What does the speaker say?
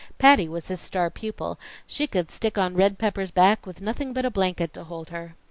Patty was his star pupil; she could stick on Red Pepper's back with nothing but a blanket to hold her.